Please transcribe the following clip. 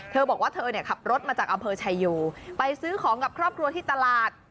เธอบอกว่าเธอเนี่ยขับรถมาจากอำเภอชายโยไปซื้อของกับครอบครัวที่ตลาด